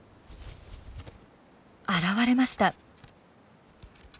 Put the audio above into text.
現れました。